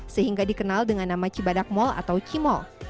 sehingga dikenal dengan nama cibadak mall atau cimol